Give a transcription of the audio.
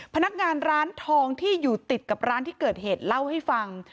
พนักงานร้านทองที่อยู่ติดกับร้านที่เกิดเหตุเล่าให้ฟัง